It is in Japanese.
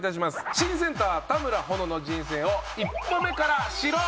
新センター田村保乃の人生を一歩目から知ろう！